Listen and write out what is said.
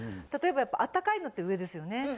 例えばやっぱあったかいのって上ですよね。